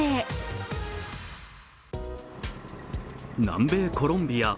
南米コロンビア。